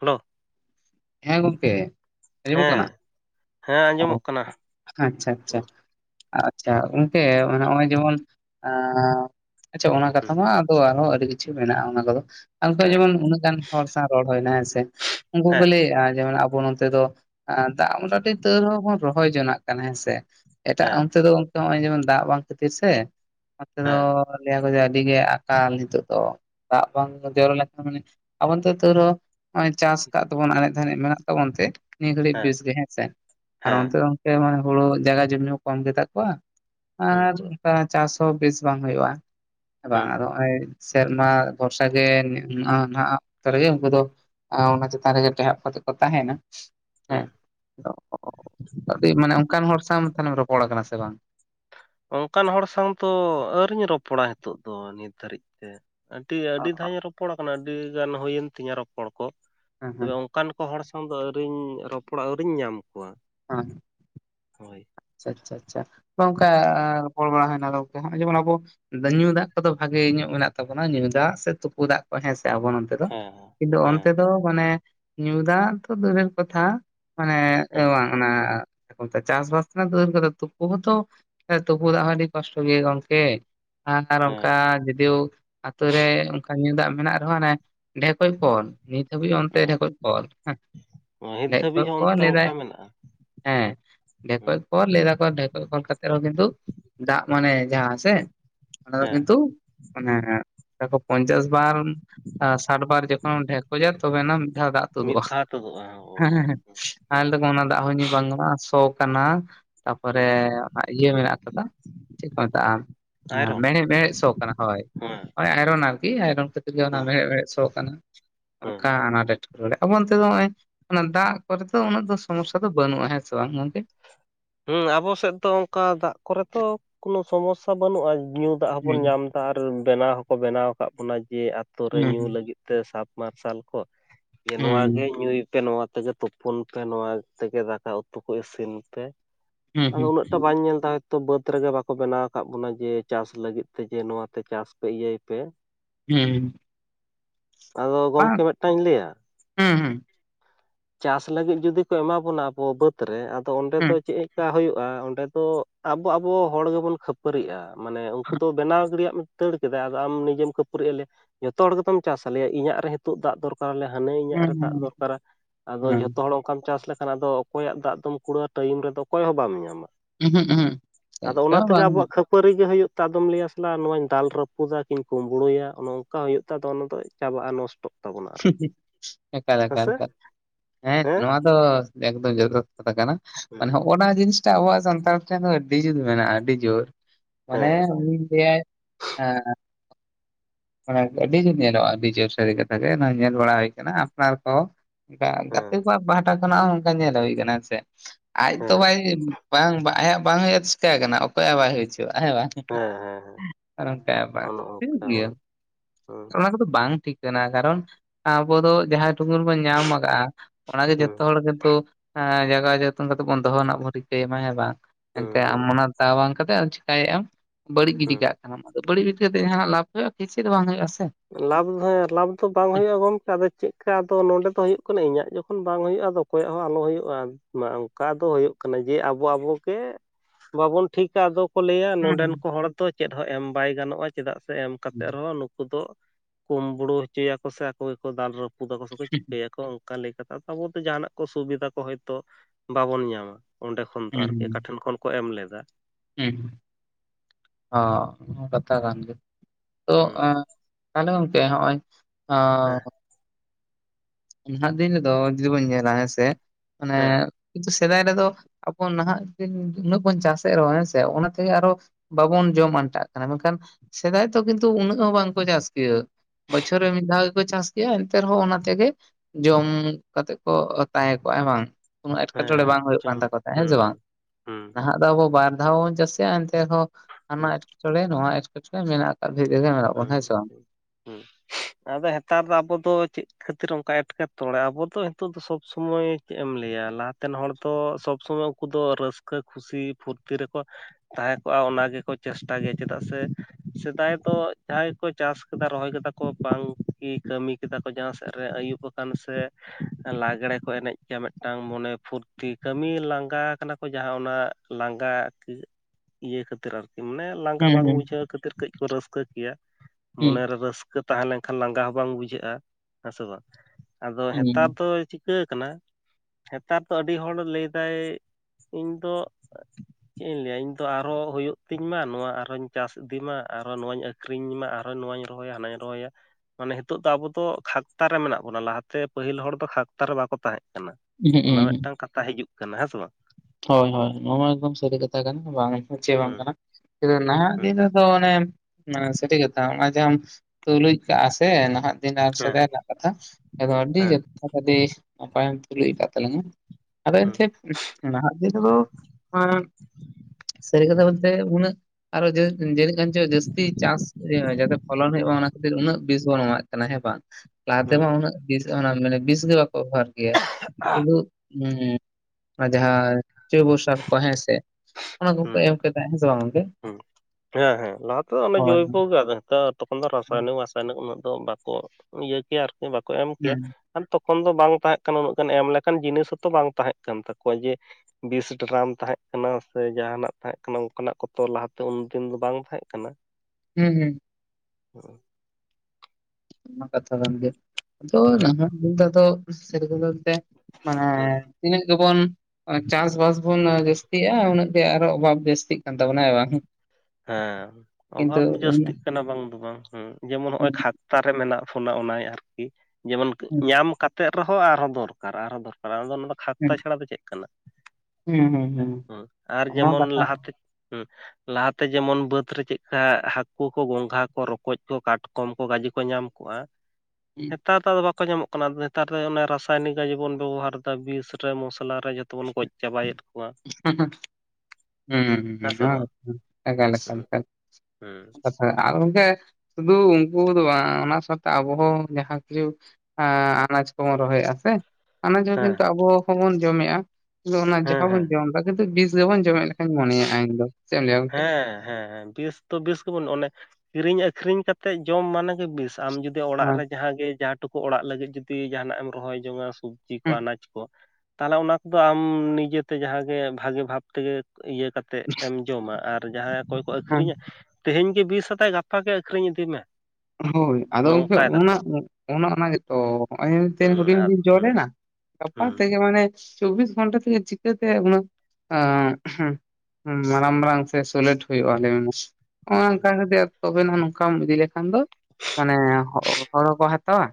[inaudible] Hello ᱦᱮᱸ ᱜᱚᱢᱠᱮ ᱟᱭᱡᱢᱚᱜ ᱠᱟᱱᱟ ᱦᱮᱸ ᱦᱮᱸ [inaudible] ᱚ ᱟᱸᱡᱚᱢᱚᱜ ᱠᱟᱱᱟ ᱟᱪᱪᱷᱟ ᱟᱪᱪᱷᱟ ᱦᱩᱸ ᱟᱪᱪᱷᱟ ᱚᱱᱠᱮ ᱱᱚᱜᱼᱚᱭ ᱡᱮᱢᱚᱱ ᱟᱪᱪᱷᱟ ᱚᱱᱟ ᱦᱩᱸ ᱠᱟᱛᱷᱟ ᱢᱟ ᱟᱫᱚ ᱟᱨᱦᱚᱸ ᱟᱹᱰᱤ ᱠᱤᱪᱷᱩ ᱢᱮᱱᱟᱜᱼᱟ ᱚᱱᱟ ᱠᱚᱫᱚ ᱟᱨ ᱚᱱᱠᱮ ᱦᱮᱸ ᱡᱮᱢᱚᱱ ᱩᱱᱟᱹᱜ ᱜᱟᱱ ᱦᱚᱲ ᱥᱟᱶ ᱨᱚᱲ ᱦᱩᱭᱱᱟ ᱦᱮᱸ ᱥᱮ ᱩᱱᱠᱩ ᱠᱚ ᱦᱮᱸ ᱡᱮᱢᱚᱱ ᱟᱵᱚ ᱱᱚᱱᱚᱛᱮ ᱫᱚ ᱫᱟᱜ ᱢ ᱟᱹᱰᱤ ᱫᱟᱹᱲ ᱦᱚ [unintelligible] ᱸ ᱵᱚᱱ ᱨᱚᱦᱚᱭ ᱡᱚᱱᱟᱜ ᱠᱟᱱᱟ ᱦᱮᱸᱥᱮ ᱮᱴᱟᱜ ᱦᱮᱸ ᱚᱱᱛᱮ ᱫᱚ [inaudible] ᱦᱚᱸᱜᱼᱚᱭ ᱡᱮᱢᱚᱱ ᱫᱟᱜ ᱵᱟᱝ ᱠᱷᱟᱹᱛᱤᱨ ᱥᱮ ᱚᱱᱛᱮ ᱫᱚ ᱦᱮᱸ ᱞᱟᱹᱭ ᱟᱠᱚ ᱡᱮ ᱟᱹᱰᱤ ᱜᱮ ᱟᱠᱟᱞ ᱦᱤᱛᱳᱜ ᱫᱚ ᱫᱟᱜ ᱵᱟᱝ ᱡᱚᱨᱚ ᱞᱮᱱᱠᱷᱟᱱ [inaudible] ᱟᱵᱚᱱ ᱛᱚ ᱛᱟᱹᱭ ᱨᱮᱦᱚ [inaudible] ᱪᱟᱥ ᱠᱟᱜ ᱛᱟᱵᱚᱱ ᱟᱱᱮᱡ ᱫᱷᱟᱱᱮᱡ ᱢᱮᱱᱟᱜ ᱛᱟᱵᱚᱱ ᱛᱮ ᱱᱤᱭᱟᱹ ᱜᱷᱟᱹᱲᱤᱡ ᱦᱮᱸ ᱵᱮᱥ ᱜᱮ ᱦᱮᱸᱥᱮ ᱟᱨ ᱦᱮᱸ ᱚᱱᱛᱮ [inaudible] ᱮ ᱢᱟᱱᱮ ᱦᱩᱲᱩ ᱡᱟᱜᱟ ᱡᱚᱢ ᱧᱩ ᱠᱚᱢ ᱜᱮᱛᱟ ᱠᱚᱣᱟᱹ ᱦᱩᱸ ᱟᱨ ᱠᱟ ᱪᱟᱥ ᱦᱚᱸ ᱵᱮᱥ ᱵᱟᱝ ᱦᱩᱭᱩᱜᱼᱟ ᱦᱮᱸ ᱵᱟᱝ ᱦᱩᱸ ᱟᱨ ᱦᱚᱜᱼᱚᱭ ᱥᱮᱨᱢᱟ ᱵᱷᱚᱨᱥᱟ ᱜᱮ [inaudible] [inaudible] ᱨᱮᱜᱮ ᱩᱱᱠᱩ ᱫᱚ [inaudible] ᱛᱟᱱ ᱨᱮᱜᱮ ᱴᱮᱦᱚᱵ ᱠᱟᱛᱮᱜ ᱠᱚ ᱛᱟᱸᱦᱮᱱᱟ ᱦᱩᱸ ᱦᱮᱸ [inaudible] ᱟᱹᱫᱤ ᱢᱟᱱᱮ ᱚᱱᱠᱟᱱ ᱦᱚᱲ ᱥᱟᱶ ᱛᱟᱦᱞᱮᱢ ᱨᱚᱯᱚᱲ ᱠᱟᱱᱟ ᱥᱮ ᱵᱟᱝ? ᱚᱱᱠᱟᱱ ᱦᱚᱲ ᱥᱟᱶ ᱛᱚ ᱟᱹᱣᱨᱤᱧ ᱨᱚᱯᱚᱲᱟ ᱦᱤᱛᱳᱜ ᱫᱚ ᱱᱤᱛ ᱫᱷᱟᱹᱨᱤᱡ ᱛᱮ ᱟᱹᱰᱤ ᱚ ᱟᱹᱰᱤ ᱫᱷᱟᱣ ᱤᱧ ᱨᱚᱯᱚᱲᱟ ᱟᱠᱟᱱᱟ ᱟᱹᱰᱤ ᱜᱟᱱ ᱦᱩᱭᱮᱱ ᱛᱤᱧᱟᱹ ᱨᱚᱯᱚᱲ ᱠᱚ ᱦᱮᱸ ᱦᱮᱸ ᱛᱚᱵᱮ ᱝᱠᱟᱱ ᱠᱚ ᱦᱚᱲ ᱥᱟᱶ ᱫᱚ ᱟᱹᱣᱨᱤᱧ ᱨᱚᱯᱚᱲ ᱟᱹᱣᱨᱤᱧ ᱧᱟᱢ ᱠᱚᱣᱟᱹ ᱦᱚᱸ ᱟᱪᱪᱷᱟ ᱟᱪᱷᱟ ᱟᱪᱷᱟ ᱚᱝᱠᱟ ᱟ ᱨᱚᱯᱚᱲ ᱵᱟᱲᱟ ᱦᱩᱭ ᱱᱟ [inaudible] ᱦᱚᱜᱼᱚᱭ ᱡᱮᱢᱚᱱ ᱟᱵᱚ ᱧᱩ ᱫᱟᱜ ᱠᱚᱫᱚ ᱵᱷᱟᱜᱮ ᱧᱚᱜ ᱢᱮᱱᱟᱜ ᱛᱟᱵᱚᱱᱟ ᱧᱩ ᱫᱟᱜ ᱥᱮ ᱛᱩᱯᱩ ᱫᱟᱜ ᱠᱚ ᱦᱮᱸ ᱥᱮ ᱟᱵᱚ ᱦᱮᱸ [inaudible] ᱠᱤᱱᱛᱩ ᱚᱱᱛᱮ ᱦᱮᱸ ᱫᱚ ᱢᱟᱱᱮ ᱧᱩ ᱫᱟᱜ ᱛᱚ ᱫᱩᱨᱮᱨ ᱠᱚᱛᱷᱟ᱾ ᱢᱟᱱᱮ ᱮ ᱦᱮᱸ ᱵᱟᱝ ᱚᱱᱟ ᱮ [inaudible] ᱪᱟᱥᱵᱟᱥ ᱠᱟᱱᱟ ᱛᱩᱯᱩ ᱦᱚᱸᱛᱚ ᱦᱮᱸ ᱛᱳᱯᱳ ᱫᱟᱜ ᱦᱚᱸ ᱟᱹᱰᱤ ᱠᱚᱥᱴᱚ ᱜᱮᱭᱟ ᱜᱚᱝᱠᱮ ᱾ ᱟᱨ ᱛᱟᱨ ᱚᱝᱠᱟ ᱦᱮᱸ ᱡᱩᱫᱤᱳ ᱟᱛᱳ ᱨᱮ ᱚᱱᱠᱟ ᱧᱩ ᱫᱟᱜ ᱢᱮᱱᱟᱜ ᱨᱮᱦᱚᱸ ᱦᱟᱱᱮ ᱰᱷᱮᱠᱚᱡ ᱠᱚᱞ᱾ ᱱᱤᱛ ᱦᱟᱹᱵᱤᱡ ᱚᱱᱛᱮ ᱦᱮᱸ ᱰᱷᱮᱠᱚᱡ ᱠᱚᱞ ᱦᱮᱸ ᱱᱤᱛ ᱫᱷᱟᱹᱵᱤᱡ ᱰᱷᱮᱜᱠᱚᱡ ᱦᱚᱸ ᱠᱚᱞ ᱚᱱᱛᱮ ᱞᱮᱫᱟ ᱚᱱᱠᱟ ᱢᱮᱱᱟᱜᱼᱟ ᱦᱮᱸ ᱦᱮᱸ ᱰᱷᱮᱠᱚᱡ ᱠᱚᱞ ᱞᱮᱹᱭ ᱫᱟᱠᱚ ᱰᱷᱮᱠᱚᱡ ᱠᱚᱞ ᱠᱷᱟᱹᱛᱤᱨ ᱦᱚᱸ ᱠᱤᱱᱛᱩ ᱫᱟᱜ ᱢᱟᱱᱮ ᱡᱟᱦᱟᱸ ᱥᱮ ᱚᱱᱟ ᱫᱚ ᱦᱮᱸ ᱠᱤᱱᱛᱩ ᱢᱟᱱᱮ ᱫᱟᱠᱚ ᱯᱚᱧᱪᱟᱥ ᱵᱟᱨ ᱟ ᱥᱟᱴ ᱵᱟᱨ ᱡᱚᱠᱷᱚᱱ ᱰᱷᱮᱜᱠᱚᱡᱟ ᱛᱚᱵᱮᱱᱟ ᱢᱤᱫ ᱫᱷᱟᱣ ᱫᱟᱜ ᱢᱤᱫ ᱛᱩᱫᱩᱜᱼᱟ ᱫᱷᱟᱣ ᱛᱩᱫᱩᱜᱼᱟ ᱳ ᱦᱮᱸ᱾ ᱟᱨ ᱦᱩᱸ ᱞᱟᱹᱭ ᱫᱟᱠᱚ ᱚᱱᱟ ᱫᱟᱜ ᱦᱚᱸ ᱧᱩ ᱵᱟᱝ ᱜᱟᱱᱚᱜᱼᱟ ᱥᱚ ᱠᱟᱱᱟ᱾ ᱛᱟᱯᱚᱨᱮ ᱦᱩᱸ ᱚᱱᱟ ᱤᱭᱟᱹ ᱢᱮᱱᱟᱜ ᱟᱠᱟᱫᱟ᱾ ᱪᱮᱫ ᱠᱚ ᱢᱮᱛᱟᱜᱼᱟ ᱟ ᱟᱭᱨᱚᱱ ᱢᱮᱬᱦᱮᱫ ᱢᱮᱦᱮᱫ ᱥᱚ ᱠᱟᱱᱟ ᱦᱚᱭ᱾ ᱦᱮᱸ ᱦᱚᱭ ᱟᱭᱨᱚᱱ ᱟᱨᱠᱤ ᱟᱭᱨᱚᱱ ᱠᱷᱟᱹᱛᱤᱨ ᱜᱮ ᱚᱱᱟ ᱦᱮᱸ ᱢᱮᱲᱦᱮᱫ ᱢᱮᱲᱦᱮᱫ ᱥᱚ ᱠᱟᱱᱟ ᱦᱮᱸ ᱚᱱᱠᱟ ᱟᱱᱟᱴ [inaudible] ᱟᱵᱚ ᱚᱱᱛᱮ ᱫᱚ ᱦᱚᱜᱼᱚᱭ ᱚᱱᱮ ᱫᱟᱜ ᱠᱚᱨᱮ ᱫᱚ ᱩᱱᱟᱹᱜ ᱫᱚ ᱥᱚᱢᱚᱥᱥᱟ ᱫᱚ ᱵᱟᱹᱱᱩᱜᱼᱟ ᱦᱮᱸ ᱥᱮ ᱵᱟᱝ ᱜᱚᱝᱠᱮ? ᱦᱩᱸ ᱟᱵᱚ ᱥᱮᱫ ᱫᱚ ᱚᱱᱠᱟ ᱫᱟᱜ ᱠᱚᱨᱮ ᱛᱚ ᱠᱳᱱᱚ ᱥᱚᱢᱚᱥᱥᱟ ᱵᱟᱹᱱᱩᱜᱼᱟ ᱧᱩ ᱫᱟᱜ ᱦᱚᱸᱵᱚᱱ ᱦᱩᱸ ᱧᱟᱢ᱾ ᱛᱟ ᱟᱨ ᱵᱮᱱᱟᱣ ᱦᱚᱸᱠᱚ ᱵᱮᱱᱟᱣ ᱠᱟᱜ ᱵᱚᱱᱟ ᱡᱮ ᱟᱛᱳ ᱨᱮ ᱦᱩᱸ ᱧᱩ ᱦᱩᱸ ᱞᱟᱹᱜᱤᱫ ᱛᱮ ᱥᱟᱵ ᱢᱟᱨᱥᱟᱞ ᱠᱚ᱾ ᱡᱮ ᱱᱚᱣᱟ ᱜᱮ ᱧᱩᱭ ᱯᱮ ᱱᱚᱣᱟ ᱛᱮᱜᱮ ᱛᱳ ᱯᱳᱱ ᱯᱮ ᱱᱚᱣᱟ ᱛᱮᱜᱮ ᱫᱟᱠᱟ ᱩᱛᱩ ᱠᱚ ᱤᱥᱤᱱ ᱯᱮ ᱟᱫᱚ ᱩᱱᱟᱹᱜ ᱴᱟ ᱵᱟᱹᱧ ᱧᱮᱞ ᱫᱟᱲᱮ ᱛᱚ ᱵᱟᱹᱫ ᱨᱮᱜᱮ ᱵᱟᱠᱚ ᱵᱮᱱᱟᱣ ᱠᱟᱜ ᱵᱚᱱᱟ ᱡᱮ ᱪᱟᱥ ᱞᱟᱹᱜᱤᱫ ᱛᱮᱜᱮ ᱱᱚᱣᱟ ᱛᱮ ᱪᱟᱥ ᱯᱮ ᱤᱭᱟᱹᱭ ᱯᱮ᱾ ᱦᱩᱸ ᱟᱫᱚ ᱜᱚᱢᱠᱮ ᱢᱮᱫᱴᱟᱝ ᱤᱧ ᱞᱟᱹᱭᱟ? ᱦᱩᱸ ᱩᱸ ᱪᱟᱥ ᱞᱟᱹᱜᱤᱫ ᱡᱩᱫᱤ ᱠᱚ ᱮᱢᱟ ᱵᱚᱱᱟ ᱟᱵᱚ ᱵᱟᱹᱫ ᱨᱮ ᱟᱫᱚ ᱚᱸᱰᱮ ᱫᱚ ᱪᱮᱫ ᱠᱟ ᱦᱩᱭᱩᱜᱼᱟ ᱚᱸᱰᱮ ᱫᱚ ᱟᱵᱚ ᱟᱵᱚ ᱦᱚᱲ ᱜᱮᱵᱚᱱ ᱠᱷᱟᱹᱯ ᱯᱟᱹᱨᱤᱜᱼᱟ ᱢᱟᱱᱮ ᱩᱱᱠᱩ ᱫᱚ ᱵᱮᱱᱟᱣ ᱜᱤᱰᱤᱭᱟᱜ ᱫᱟᱹᱲ ᱠᱮᱫᱟᱭ ᱟᱫᱚ ᱟᱢ ᱱᱤᱡᱮᱢ ᱠᱷᱟᱹᱯᱨᱤᱜ ᱞᱮᱟ ᱡᱚᱛᱚ ᱦᱚᱲ ᱜᱮᱛᱚᱢ ᱪᱟᱥ ᱟ ᱞᱮᱭᱟᱭ ᱤᱧᱟᱹᱜ ᱨᱮ ᱛᱩᱜ ᱛᱟᱫ ᱫᱚᱨᱠᱟᱨ ᱞᱮ ᱦᱟᱱᱮ ᱣ ᱤᱧᱟᱹᱜ ᱨᱮ ᱫᱟᱜ ᱫᱚᱨᱠᱟᱨᱟ᱾ ᱟᱫᱚ ᱡᱷᱚᱛᱚ ᱦᱚᱲ ᱚᱱᱠᱟᱢ ᱪᱟᱥ ᱞᱮᱠᱷᱟᱱ ᱟᱫᱚ ᱚᱠᱚᱭᱟᱜ ᱫᱟᱜ ᱫᱚᱢ ᱠᱩᱲᱟᱹ ᱟ ᱴᱟᱭᱤᱢ ᱨᱮᱫᱚ ᱚᱠᱚᱭ ᱦᱚᱸ ᱵᱟᱢ ᱧᱟᱢᱟ᱾ ᱩᱸᱦᱩᱜ ᱩᱸᱦᱩᱜ [unintelligible] ᱯᱟᱹᱨᱤ ᱜᱮ ᱦᱩᱭᱩᱜ ᱛᱟ ᱟᱫᱚᱢ ᱞᱟᱹᱭᱟ ᱥᱟᱞᱟ ᱱᱚᱣᱟᱧ ᱫᱟᱞ ᱨᱟᱹᱯᱩᱫᱟ ᱠᱤᱧ ᱠᱩᱢᱵᱽᱲᱩᱭᱟ ᱚᱱᱠᱟ ᱦᱩᱭᱩᱜ ᱛᱟ ᱟᱫᱚ [unintelligible] ᱪᱟᱵᱟᱜᱼᱟ ᱱᱚᱥᱴᱚᱜ ᱛᱟᱵᱚᱱᱟ ᱟᱨᱠᱤ [inaudible] ᱮᱠᱟᱞ ᱮᱠᱟᱞ ᱦᱮᱸᱥᱮ ᱠᱟᱞ ᱦᱮᱸ ᱱᱚᱣᱟ ᱫᱚ ᱮᱠᱫᱚᱢ ᱡᱚᱛᱷᱟᱛ ᱠᱟᱛᱷᱟ ᱠᱟᱱᱟ ᱦᱮᱸ [unintelligible] ᱚᱱᱟ ᱡᱤᱱᱤᱥᱴᱟᱜ ᱟᱵᱚᱣᱟᱜ ᱥᱟᱱᱛᱟᱲ ᱴᱷᱮᱱ ᱫᱚ ᱟᱹᱰᱤ ᱡᱩᱛ ᱢᱮᱱᱟᱜᱼᱟ ᱟᱹᱰᱤ ᱡᱳᱨ᱾ ᱢᱟᱱᱮ ᱩᱱᱤ ᱞᱮᱹᱭᱟᱭ᱾ ᱦᱮᱸ ᱮᱸ ᱢᱟᱱᱮ [inaudible] ᱟᱹᱰᱤ ᱡᱩᱨ ᱧᱮᱞᱚᱜᱼᱟ ᱟᱹᱰᱤ ᱡᱩᱨ ᱥᱟᱨᱤ ᱧᱮᱞ ᱵᱟᱲᱟ ᱦᱩᱭ ᱟᱠᱟᱱᱟ ᱟᱯᱱᱟᱨ ᱠᱚ ᱜᱟᱛᱮ ᱦᱮᱸ ᱠᱚᱣᱟᱜ ᱯᱟᱦᱴᱟ ᱠᱷᱚᱱᱟᱜ ᱚᱱᱠᱟ ᱧᱮᱞ ᱦᱩᱭ ᱟᱠᱟᱱᱟ ᱥᱮ ᱟᱡ ᱛᱚ ᱦᱮᱸ ᱵᱟᱭ ᱵᱟᱝ ᱟᱭᱟᱜ ᱵᱟᱝ ᱦᱳᱭᱳᱜ [inaudible] ᱠᱟᱱᱟ ᱚᱠᱚᱭᱭᱟᱜ ᱦᱚ ᱵᱟᱭ ᱦᱳᱭ ᱦᱮᱸᱵᱟᱝ ᱦᱮᱸ ᱦᱮᱸ ᱦᱮᱸ ᱚᱱ‌ᱚ ᱚᱝᱠᱟ ᱠᱮᱯᱟᱨ ᱚᱱᱮ ᱴᱷᱤᱠ ᱚᱱᱠᱟ ᱜᱤᱭᱟ᱾ ᱦᱳᱭ ᱦᱩᱸ ᱚᱱᱟ ᱠᱚᱫᱚ ᱵᱟᱝ ᱴᱷᱤᱠ ᱠᱟᱱᱟ ᱠᱟᱨᱚᱱ ᱟᱵᱚ ᱫᱚ ᱡᱟᱦᱟᱸ ᱴᱩᱠᱩᱱ ᱵᱚᱱ ᱧᱟᱢ ᱠᱟᱜᱼᱟ ᱚᱱᱟᱜᱮ ᱦᱩᱸ ᱡᱚᱛᱚ ᱦᱚᱲ ᱜᱮᱛᱚ ᱟ ᱡᱟᱜᱟᱣ ᱡᱚᱛᱚᱱ ᱠᱟᱛᱮᱜ ᱵᱚᱱ ᱫᱚᱦᱚ ᱨᱮᱱᱟᱜ ᱵᱚᱱ ᱨᱤᱠᱟᱹᱭ ᱢᱟ ᱦᱮᱸ ᱵᱟᱝ ᱦᱩᱸ ᱮᱱᱛᱮ ᱟᱢ ᱦᱩᱸ ᱚᱱᱟ ᱛᱟ ᱵᱟᱝ ᱠᱟᱛᱮᱜ ᱟᱫᱚ ᱪᱤᱠᱟᱹᱭᱮᱫ ᱟᱢ ᱵᱟᱹᱲᱤᱡ ᱜᱤᱰᱤ ᱦᱩᱸ ᱠᱟᱜ ᱥᱟᱱᱟᱢᱟᱜ ᱵᱟᱹᱲᱤᱡ ᱵᱤ ᱠᱟᱛᱮ ᱡᱟᱦᱟᱱᱟᱜ ᱞᱟᱵᱷ ᱦᱩᱭᱩᱜᱼᱟ ᱠᱤ ᱪᱮᱫ ᱫᱚ ᱵᱟᱝ ᱦᱳᱭᱳᱜᱼᱟ ᱥᱮ᱾ ᱞᱟᱵᱷ ᱫᱚ ᱦᱮᱸ ᱞᱟᱵᱷ ᱫᱚ ᱵᱟᱝ ᱦᱩᱭᱩᱜᱼᱟ ᱜᱚᱢᱠᱮ ᱟᱫᱚ ᱪᱮᱫᱠᱟ ᱟᱫᱚ ᱱᱚᱰᱮ ᱫᱚ ᱦᱩᱭᱩᱜ ᱠᱟᱱᱟ ᱤᱧᱟᱹᱜ ᱡᱚᱠᱷ ᱠᱷᱚᱱ ᱵᱟᱝ ᱦᱳᱭᱳᱜᱼᱟ ᱟᱫᱚ ᱚᱠᱚᱭᱟᱜ ᱦᱚᱸ ᱟᱞᱚ ᱦᱳᱭᱳᱜᱼᱟ ᱢᱟ ᱚᱝᱠᱟ ᱫᱚ ᱦᱳᱭᱳᱜ ᱠᱟᱱᱟ ᱡᱮ ᱟᱵᱚ ᱟᱵᱚᱜᱮ ᱵᱟᱵᱚᱱ ᱴᱷᱤᱠᱟ ᱟᱫᱚ ᱠᱚ ᱞᱟᱹᱭᱟ ᱱᱚᱸᱰᱮᱱ ᱦᱩᱸ ᱠᱚ ᱦᱚᱲ ᱫᱚ ᱪᱮᱫ ᱦᱚᱸ ᱮᱢ ᱵᱟᱭ ᱜᱟᱱᱚᱜᱼᱟ ᱪᱮᱫᱟᱜ ᱥᱮ ᱮᱢ ᱦᱩᱸ ᱠᱟᱛᱮᱫ ᱨᱮᱦᱚᱸ ᱱᱩᱠᱩ ᱫᱚ ᱠᱳᱢᱵᱩᱲᱳ ᱦᱚᱪᱚᱭᱟᱠᱚ ᱥᱮ ᱟᱠᱚ ᱜᱮᱠᱚ ᱫᱟᱞ ᱨᱟᱹᱯᱩᱫᱟᱠᱚ ᱥᱮᱠᱚ ᱪᱤᱠᱟᱹᱭᱟ᱾ ᱚᱱᱠᱟ ᱞᱮᱠᱟᱛᱮ ᱟᱫᱚ ᱟᱵᱚ ᱫᱚ ᱡᱟᱦᱟᱱᱟᱜ ᱠᱚ ᱥᱩᱵᱤᱫᱷᱟ ᱠᱚ ᱦᱚᱭᱛᱳ ᱵᱟᱵᱚᱱ ᱧᱟᱢᱟ ᱚᱸᱰᱮ ᱠᱷᱚᱱ ᱫᱚ ᱟᱨᱠᱤ ᱚᱠᱟ ᱴᱷᱮᱱ ᱠᱷᱚᱱ ᱠᱚ ᱮᱢ ᱞᱮᱫᱟ ᱦᱮᱸ ᱚ ᱱᱚᱣᱟ ᱠᱟᱛᱷᱟ ᱠᱟᱱ ᱜᱮᱭᱟ ᱛᱚ ᱦᱩᱸ ᱛᱟᱦᱚᱞᱮ ᱜᱚᱝᱠᱮ ᱦᱚᱜᱼᱚᱭ ᱮ ᱦᱮᱸ ᱱᱟᱦᱟᱜ ᱫᱤᱱ ᱨᱮᱫᱚ ᱡᱩᱫᱤ ᱵᱚᱱ ᱧᱮᱞᱟ ᱦᱮᱸᱥᱮ ᱢᱟᱱᱮ ᱦᱮᱸ ᱠᱤᱱᱛᱩ ᱥᱮᱫᱟᱭ ᱨᱮᱫᱚ ᱟᱵᱚ ᱱᱟᱦᱟᱜ ᱫᱤᱱ ᱩᱱᱟ. ᱜ ᱵᱚᱱ ᱪᱟᱥᱮᱫ ᱨᱮᱦᱚᱸ ᱦᱮᱸ ᱥᱮ ᱚᱱᱟ ᱛᱮᱜᱮ ᱟᱨᱦᱚᱸ ᱵᱟᱵᱚᱱ ᱡᱚᱢ ᱟᱱᱴᱟᱜ ᱠᱟᱱᱟ ᱢᱮᱱᱠᱷᱟᱱ ᱥᱮᱫᱟᱭ ᱫᱚ ᱠᱤᱱᱛᱩ ᱩᱱᱟᱹᱜ ᱦᱚᱸ ᱵᱟᱝᱠᱚ ᱪᱟᱥ ᱠᱤᱭᱟᱹ ᱵᱚᱪᱷᱚᱨ ᱨᱮ ᱢᱤᱫ ᱫᱷᱟᱣ ᱜᱮᱠᱚ ᱪᱟᱥ ᱜᱮᱭᱟ ᱮᱱᱛᱮ ᱨᱮᱦᱚᱸ ᱚᱱᱟ ᱛᱮᱜᱮ ᱡᱚᱢ ᱠᱟᱛᱮᱫ ᱠᱚ ᱛᱟᱦᱮᱸ ᱠᱚᱜᱼᱟ ᱦᱮ ᱵᱟᱝ ᱩᱳᱱᱳ ᱮᱴᱠᱮᱴᱚᱬᱮ ᱦᱮᱸ ᱵᱟᱝ ᱦᱩᱭᱩᱜ ᱠᱟᱱ ᱡᱚᱢ ᱛᱟᱠᱚ ᱛᱟᱦᱮᱸ ᱦᱮᱸ ᱥᱮ ᱵᱟᱝ ᱦᱩᱸ ᱦᱩᱸ ᱱᱟᱦᱟᱜ ᱟᱫᱚ ᱟᱵᱚ ᱵᱟᱨ ᱫᱷᱟᱣ ᱵᱚᱱ ᱪᱟᱥᱮᱜᱼᱟ ᱮᱱᱛᱮ ᱨᱮᱦᱚᱸ ᱦᱟᱱᱟ ᱦᱩᱸ ᱮᱴᱠᱮᱴᱚᱬᱮ ᱱᱚᱣᱟ ᱮᱴᱠᱮᱴᱚᱬᱮ ᱢᱮᱱᱟᱜ ᱠᱟᱫᱟ [unintelligible] ᱵᱚᱱ ᱦᱮ ᱥᱮ ᱵᱟᱝ ᱦᱮ ᱟᱫᱚ ᱦᱮᱛᱟᱨ ᱫᱚ ᱟᱵᱚ ᱫᱚ ᱪᱮᱫ ᱠᱷᱟᱹᱛᱤᱨ ᱚᱱᱠᱟ ᱮᱴᱠᱮᱛᱚᱲᱮ ᱟᱵᱚ ᱫᱚ ᱱᱤᱛᱚᱜ ᱫᱚ ᱥᱚᱵᱽ ᱥᱚᱢᱚᱭ ᱪᱮᱫ ᱮᱢ ᱞᱟᱹᱭᱟ ᱞᱟᱦᱟᱛᱮᱱ ᱦᱚᱲ -ᱛᱚ ᱥᱚᱵᱽ ᱥᱚᱢᱚᱭ ᱩᱱᱠᱩ ᱫᱚ ᱨᱟᱹᱥᱠᱟᱹ ᱠᱷᱩᱥᱤ ᱯᱷᱩᱨᱛᱤ ᱨᱮᱠᱚ- -ᱛᱟᱦᱮᱸ ᱠᱚᱜᱼᱟ ᱚᱱᱟ ᱜᱮᱠᱚ ᱪᱮᱥᱴᱟ ᱜᱮᱭᱟ ᱪᱮᱫᱟᱜ ᱥᱮ ᱥᱮᱫᱟᱭ ᱫᱚ ᱡᱟᱸᱦᱟ ᱜᱮᱠᱚ ᱪᱟᱥ ᱠᱟᱫᱟ ᱨᱚᱦᱚᱭ ᱠᱟᱫᱟ ᱠᱚ ᱵᱟᱝᱜᱤ ᱠᱟᱹᱢᱤ ᱠᱟᱫᱟ ᱠᱚ ᱡᱟᱦᱟᱸ ᱥᱮᱫ ᱨᱮ ᱟᱹᱭᱩᱵ ᱟᱠᱟᱱ ᱥᱮ -ᱞᱟᱜᱽᱬᱮ ᱠᱚ ᱮᱱᱮᱡ ᱜᱮᱭᱟ ᱢᱤᱫᱴᱟᱝ ᱢᱚᱱᱮ ᱯᱷᱩᱨᱛᱤ ᱠᱟᱹᱢᱤ ᱞᱟᱸᱜᱟ ᱠᱟᱱᱟ ᱠᱚ ᱡᱟᱦᱟᱸ ᱚᱱᱟ ᱞᱟᱸᱜᱟ ᱤᱭᱟᱹ ᱠᱷᱟᱹᱛᱤᱨ ᱟᱨᱠᱤ ᱢᱟᱱᱮ ᱞᱟᱸᱜᱟ ᱦᱩᱸ ᱵᱟᱝ ᱵᱩᱡᱷᱟᱹᱣ ᱠᱷᱟᱹᱛᱤᱨ ᱠᱟᱹᱡ ᱠᱚ ᱨᱟᱹᱥᱠᱟᱹ ᱠᱮᱭᱟ᱾ ᱦᱩᱸ ᱢᱚᱱᱮᱨᱮ ᱨᱟᱹᱥᱠᱟᱹ ᱛᱟᱦᱮᱸ ᱞᱮᱱᱠᱷᱟᱱ ᱞᱟᱸᱜᱟ ᱦᱚᱸ ᱵᱟᱝ ᱵᱩᱡᱷᱟᱹᱜᱼᱟ ᱦᱮᱸ ᱥᱮ ᱵᱟᱝ ᱟᱫᱚ ᱦᱩᱸ ᱦᱮᱛᱟᱨ ᱫᱚ ᱪᱤᱠᱟᱹ ᱠᱟᱱᱟ ᱦᱮᱛᱟᱨ ᱫᱚ ᱟᱹᱰᱤ ᱦᱚᱲ ᱞᱟᱹᱭ ᱫᱟᱭ ᱤᱧ ᱫᱚ ᱪᱮᱫ ᱤᱧ ᱞᱟᱹᱭᱟ ᱤᱧ ᱫᱚ ᱟᱨᱚ ᱦᱩᱭᱩᱜ ᱛᱤᱧ ᱢᱟ ᱱᱚᱣᱟ ᱟᱨᱚᱧ ᱪᱟᱥ ᱤᱫᱤ ᱢᱟ ᱟᱨᱚ ᱱᱚᱣᱟᱧ ᱟᱹᱠᱷᱨᱤᱧ -ᱟᱹᱠᱷᱨᱤᱧ ᱢᱟ ᱟᱨᱦᱚᱸ ᱱᱚᱣᱟᱧ ᱨᱚᱦᱚᱭᱟ ᱦᱟᱱᱟᱧ ᱨᱚᱦᱚᱭᱟ ᱢᱟᱱᱮ ᱱᱤᱛᱚᱜ ᱫᱚ ᱟᱵᱚ ᱫᱚ ᱠᱷᱟᱠᱛᱟᱨ ᱨᱮ ᱢᱮᱱᱟᱜ ᱵᱚᱱᱟ ᱞᱟᱦᱟᱛᱮ ᱯᱟᱹᱦᱤᱞ ᱦᱚᱲ ᱫᱚ ᱠᱷᱟᱠᱛᱟᱨ ᱨᱮ ᱵᱟᱠᱚ ᱛᱟᱦᱮᱸ ᱠᱟᱱᱟ ᱦᱩᱸ ᱦᱩᱸ ᱚᱱᱟ ᱦᱩᱸ ᱢᱤᱫᱴᱟᱝ ᱠᱟᱛᱷᱟ ᱦᱤᱡᱩᱜ ᱠᱟᱱᱟ ᱦᱮᱸ ᱥᱮ ᱵᱟᱝ ᱦᱳᱭ ᱦᱳᱭ ᱱᱚᱣᱟ ᱢᱟ ᱮᱠᱫᱚᱢ ᱥᱟᱹᱨᱤ ᱠᱟᱛᱷᱟ ᱠᱟᱱᱟ ᱵᱟᱝ ᱪᱮᱫ ᱵᱟᱝ ᱦᱩᱸ ᱠᱟᱱᱟ ᱛᱚᱵᱮ ᱱᱟᱦᱟᱜ ᱦᱩᱸ ᱫᱤᱱ ᱨᱮᱫᱚ ᱚᱱᱮ ᱥᱟᱨᱤ ᱠᱟᱛᱷᱟ ᱚᱱᱟ ᱡᱟᱦᱟᱢ- ᱛᱩᱩᱞᱩᱡ ᱠᱟᱜᱼᱟ ᱥᱮ ᱱᱟᱦᱟᱜ ᱫᱤᱱ ᱟᱨ ᱦᱮᱸ ᱥᱮᱫᱟᱭ ᱨᱮᱱᱟᱜ ᱠᱟᱛᱷᱟ ᱟᱹᱰᱤ ᱦᱮᱸ ᱡᱚᱛᱷᱟ ᱟᱰᱤ ᱱᱟᱯᱟᱭᱮᱢ ᱛᱩᱞᱩᱡ ᱟᱠᱟᱫ ᱛᱟᱞᱟᱝᱼᱟ ᱟᱫᱚ ᱦᱩᱸ ᱮᱱᱛᱮᱫ ᱱᱟᱦᱟᱜ ᱫᱤᱱ ᱨᱮᱫᱚ [inaudible] ᱥᱟᱹᱨᱤ ᱠᱟᱛᱷᱟ ᱵᱚᱞᱛᱮ ᱩᱱᱟᱹᱜ ᱟᱨᱚ ᱡᱟ. ᱡᱟᱹᱱᱤᱡ ᱠᱷᱟᱱᱪᱚ ᱡᱟᱹᱥᱛᱤ ᱪᱟᱥ ᱡᱟᱛᱮ ᱯᱷᱚᱞᱚᱱ ᱦᱩᱭᱩᱜ ᱚᱱᱟ ᱠᱷᱟᱹᱛᱤᱨ ᱩᱱᱟᱹᱜ ᱵᱤᱥ ᱵᱚᱱ ᱮᱢᱟᱜ ᱠᱟᱱᱟ ᱦᱮᱸ ᱵᱟᱝ ᱦᱩᱸ ᱞᱟᱦᱟᱛᱮᱢᱟ ᱩᱱᱟᱹᱜ ᱵᱤᱥ ᱚᱱᱟ ᱢᱟᱱᱮ ᱵᱤᱥ ᱜᱮ ᱵᱟᱠᱚ ᱵᱮᱵᱚᱦᱟᱨ ᱜᱮᱭᱟ ᱥᱩᱫᱩ- ᱟᱱᱟ ᱡᱟᱦᱟᱸ ᱪᱟ. ᱛ ᱵᱚᱭᱥᱟᱠᱷ ᱠᱚ ᱦᱮᱸ ᱥᱮ ᱚᱱᱟ ᱠᱚᱠᱚ ᱮᱢ ᱦᱩᱸ ᱠᱮᱫᱟ ᱦᱮᱸ ᱥᱮ ᱵᱟᱝ ᱜᱚᱝᱠᱮ ᱦᱩ ᱦᱮᱸ ᱦᱮᱸ ᱞᱟᱦᱟ ᱛᱮᱫᱚ ᱚᱱᱮ ᱦᱳᱭ ᱡᱚᱭᱵᱚ ᱦᱳᱭ ᱜᱮ ᱟᱫᱚ ᱦᱮᱛᱟᱨ ᱛᱚᱠᱷᱚᱱ ᱫᱚ ᱨᱟᱥᱟᱭᱱᱤᱠ ᱢᱟᱥᱟᱭᱚᱱᱤᱠ ᱩᱱᱟᱹᱜ ᱫᱚ ᱵᱟᱠᱚ ᱤᱭᱟᱹ ᱠᱮᱭᱟ ᱟᱨᱠᱤ ᱵᱟᱠᱚ ᱮᱢ ᱠᱮᱭᱟ ᱦᱩᱸ ᱟᱨ ᱛᱚᱠᱷᱚᱱ ᱫᱚ ᱵᱟᱝ ᱛᱟᱦᱮᱡ ᱠᱟᱱᱟ ᱩᱱᱟᱹᱜ ᱜᱟᱱ ᱮᱢ ᱞᱮᱠᱟᱱ ᱡᱤᱱᱤᱥ ᱦᱚᱸᱛᱚ ᱵᱟᱝ ᱛᱟᱦᱮᱸ ᱠᱟᱱ ᱛᱟᱠᱚᱣᱟ ᱡᱮ ᱵᱤᱥ ᱰᱨᱟᱢ ᱛᱟᱦᱮᱡᱸ ᱠᱟᱱᱟ᱾ ᱥᱮ ᱡᱟᱦᱟᱱᱟᱜ ᱛᱟᱦᱮᱸ ᱠᱟᱱᱟ ᱚᱱᱠᱟᱱᱟᱜ ᱠᱚ ᱛᱚ ᱞᱟᱦᱟᱛᱮ ᱩᱱᱫᱤᱱ ᱫᱚ ᱵᱟᱝ ᱛᱟᱦᱮᱸᱡ ᱠᱟᱱᱟ᱾ ᱦᱩᱸ ᱦᱩᱸ [unintelligible] ᱚᱱᱟ ᱠᱟᱛᱷᱟ ᱠᱟᱱ ᱜᱮ ᱟᱫᱚ ᱱᱟᱦᱟᱜ ᱱᱮᱛᱟᱨ ᱫᱚ ᱥᱮᱨᱚᱠᱚᱢ ᱵᱚᱞᱛᱮ ᱢᱟᱱᱮ ᱦᱩᱸ ᱛᱤᱱᱟᱹᱜ ᱜᱮᱵᱚᱱ ᱪᱟᱥᱵᱟᱥ ᱵᱚᱱ ᱡᱟᱹᱥᱛᱤᱜᱼᱟ ᱩᱱᱟᱹᱜ ᱟᱨᱚ ᱚᱵᱷᱟᱵ ᱡᱟᱹᱥᱛᱤᱜ ᱠᱟᱱ ᱛᱟᱵᱚᱱᱟ ᱦᱮᱵᱟᱝ ᱦᱮᱸ ᱚᱵᱷᱟᱵ ᱚᱱᱟ ᱡᱟᱹᱥᱛᱤᱜ ᱠᱟᱱᱟ ᱵᱟᱝ ᱫᱚ ᱵᱟᱝ ᱦᱮᱸ ᱡᱮᱢᱚᱱ ᱱᱚᱜᱼᱚᱭ ᱦᱩᱸ ᱠᱷᱟᱠ [unintelligible] ᱢᱮᱱᱟᱜ ᱵᱚᱱᱟ ᱚᱱᱟ ᱟᱨᱠᱤ ᱡᱮᱢᱚᱱ ᱦᱩᱸ ᱧᱟᱢ ᱠᱟᱛᱮ ᱛᱮᱫ ᱨᱮᱦᱚᱸ ᱟᱨᱦᱚᱸ ᱫᱚᱨᱠᱟᱨ ᱟᱨᱦᱚᱸ ᱫᱚᱨᱠᱟᱨ ᱟᱫᱚ ᱠᱷᱟᱠᱛᱟ ᱦᱩᱸ ᱪᱷᱟᱲᱟ ᱫᱚ ᱪᱮᱫ ᱠᱟᱱᱟ? ᱦᱩᱸ ᱦᱩᱸ ᱦᱩᱸ ᱟᱨ ᱚᱱᱟ ᱡᱮᱢᱚᱱ ᱠᱟᱛᱷᱟ ᱞᱟᱦᱟᱛᱮ ᱦᱩᱸ ᱞᱟᱦᱟ ᱛᱮ ᱡᱮᱢᱚᱱ ᱵᱟᱹᱫᱽ ᱨᱮ ᱪᱮᱫ ᱞᱮᱠᱟ ᱦᱟᱹᱠᱩ ᱠᱚ ᱜᱚᱝᱜᱷᱟ ᱠᱚ ᱨᱚᱠᱚᱡᱽ ᱠᱚ ᱠᱟᱴᱠᱚᱢ ᱠᱚ ᱜᱟᱹᱡᱤ ᱠᱚ ᱧᱟᱢ ᱠᱚᱜᱼᱟ᱾ ᱦᱩᱸ ᱦᱮᱸᱛᱟᱛ ᱱᱮᱛᱟᱨ ᱫᱚ ᱵᱟᱠᱚ ᱧᱟᱢᱚᱜ ᱠᱟᱱᱟ ᱱᱮᱛᱟᱨ ᱫᱚ ᱚᱱᱮ ᱨᱟᱥᱟᱭᱱᱤᱠ ᱡᱮᱵᱚᱱ ᱵᱮᱵᱚᱦᱟᱨᱮᱫᱟ ᱵᱤᱥ ᱨᱮ ᱢᱚᱥᱞᱟ ᱨᱮ ᱡᱚᱛᱚᱵᱚᱱ ᱜᱚᱡ ᱪᱟᱵᱟᱭᱮᱫ ᱠᱚᱣᱟ ᱦᱮᱸ ᱦᱮᱸ ᱥᱮ ᱵᱟᱝ ᱦᱳᱭ ᱮᱠᱟᱞ ᱦᱩᱸ ᱮᱠᱟᱞ ᱦᱩᱸ ᱟᱨ ᱜᱚᱝᱠᱮ ᱥᱩᱫᱩ ᱩᱱᱠᱩ ᱫᱚ ᱵᱟᱝ ᱚᱱᱟ ᱥᱟᱶᱛᱮ ᱟᱵᱚᱦ ᱦᱚᱸ ᱡᱟᱦᱟᱸ ᱠᱤᱪᱷᱩ ᱟᱱᱟᱡᱽ ᱠᱚᱵᱚᱱ ᱨᱚᱦᱚᱭᱮᱫᱼᱟ ᱥᱮ ᱟᱱᱟᱡᱽ ᱦᱚᱸ ᱦᱮᱸ ᱠᱤᱱᱛᱩ ᱟᱵᱚ ᱦᱚᱸᱵᱚᱱ ᱡᱚᱢᱮᱫᱼᱟ᱾ ᱟᱫᱚ ᱚᱱᱟ ᱦᱮᱸ ᱡᱟᱦᱟᱸ ᱵᱚᱱ ᱦᱮᱸ ᱡᱚᱢᱫᱟ ᱠᱤᱱᱛᱩ ᱵᱤᱥ ᱜᱮᱵᱚᱱ ᱡᱚᱢᱮᱫ ᱞᱮᱠᱟᱧ ᱢᱚᱢᱮ ᱞᱮᱠᱟᱧ ᱢᱚᱱᱮᱭ-ᱟ ᱤᱧ ᱫᱚ᱾ ᱪᱮᱫ ᱮᱢ ᱞᱟᱹᱭᱟ ᱜᱚᱝᱠᱮ ᱦᱮᱸ ᱦᱮᱸ ᱦᱮᱸ ᱵᱤᱥ ᱛᱚ ᱵᱤᱥ ᱜᱮᱵᱚᱱ ᱚᱱᱮ ᱠᱤᱨᱤᱧ ᱟᱹᱷᱨᱤᱧ ᱠᱟᱛᱮᱜ ᱡᱚᱢ ᱢᱟᱱᱮ ᱜᱮ ᱵᱮᱥ᱾ ᱟᱢ ᱡᱩᱫᱤ ᱚᱲᱟᱜ ᱦᱳᱭ ᱨᱮ ᱡᱟᱦᱟᱸᱜᱮ ᱡᱟᱦᱟᱸ ᱴᱩᱠᱩ ᱚᱲᱟᱜ ᱞᱟᱹᱜᱤᱫ ᱡᱩᱫᱤ ᱡᱟᱦᱟᱱᱟᱜᱮᱢ ᱨᱚᱦᱚᱭ ᱡᱚᱝᱟ ᱥᱚᱵᱡᱤ ᱠᱚ ᱦᱮᱸ ᱟᱱᱟᱡᱽ ᱠᱚ ᱛᱟᱦᱚᱞᱮ ᱚᱱᱟ ᱠᱚᱫᱚ ᱟᱢ ᱱᱤᱡᱮᱛᱮ ᱡᱟᱦᱟᱸᱜᱮ ᱵᱷᱟᱜᱮ ᱵᱷᱟᱵ ᱛᱮᱜᱮ ᱤᱭᱟᱹ ᱠᱟᱛᱮᱫ ᱮᱢ ᱡᱚᱢᱟ ᱟᱨ ᱡᱟᱦᱟᱸᱭ ᱚᱠᱚᱭ ᱠᱚ ᱦᱮᱸ ᱟᱹᱷᱨᱤᱧᱟ ᱛᱮᱦᱤᱧ ᱜᱮ ᱵᱤᱥ ᱦᱟᱛᱟᱣ ᱢᱮ ᱜᱟᱯᱟᱜ ᱜᱮ ᱟᱹᱠᱷᱨᱤᱧ ᱤᱫᱤ ᱢᱮ᱾ ᱦᱳᱭ ᱟᱫᱚ ᱚᱱᱮ ᱜᱚᱢᱠᱮ ᱚᱱᱠᱟᱭ ᱚᱱᱟ ᱫᱟᱠᱚ ᱚᱱᱟ ᱚᱱᱟᱜᱮᱛᱚ ᱦᱩᱸ ᱛᱮᱦᱮᱸᱧ ᱦᱩᱰᱤᱧ ᱟᱨ ᱦᱩᱰᱤᱧ ᱦᱩᱸ ᱡᱚᱞᱮᱱᱟ ᱜᱟᱯᱟ ᱦᱩᱸ ᱛᱮᱜᱮ ᱢᱟᱱᱮ ᱪᱚᱵᱽᱵᱤᱥ ᱜᱷᱚᱱᱴᱟ ᱛᱮᱜᱮ ᱪᱤᱠᱟᱹᱛᱮ ᱩᱱᱟᱹᱜ ᱢᱟᱨᱟᱝ ᱢᱟᱨᱟᱝ ᱥᱮ ᱥᱩᱞᱮᱴ ᱦᱩᱭᱩᱜᱼᱟ ᱞᱟᱹᱭᱢᱮ ᱢᱟ᱾ ᱱᱚᱜᱼ ᱱᱚᱝᱠᱟ ᱦᱩᱸ ᱠᱟᱛᱮ ᱛᱚᱵᱮᱱᱟ ᱱᱚᱝᱠᱟᱢ ᱤᱫᱤ ᱞᱮᱠᱷᱟᱱ ᱫᱚ ᱢᱟᱱᱮ ᱦᱩᱸ ᱦᱚᱲᱠᱚ ᱦᱟᱛᱟᱣᱟ